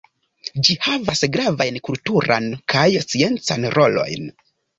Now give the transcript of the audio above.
Ĝi havas gravajn kulturan kaj sciencan rolojn.